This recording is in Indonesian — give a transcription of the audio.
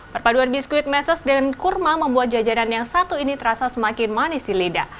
perpaduan biskuit meses dan kurma membuat jajanan yang satu ini terasa semakin manis di lidah